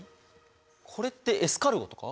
これってエスカルゴとか？